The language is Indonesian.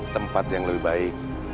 tempat yang lebih baik